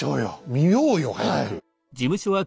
見ようよ早く。